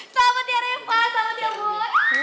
selamat ya reva selamat ya boy